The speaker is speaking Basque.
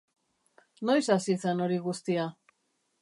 Noiz hasi zen hori guztia?